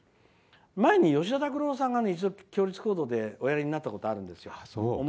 前に吉田拓郎さんが一度、共立講堂でおやりになったことがあるんです。